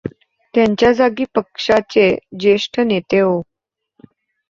त्यांच्याजागी पक्षाचे ज्येष्ठ नेते ओ.